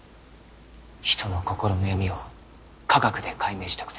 人の心の闇を科学で解明したくて。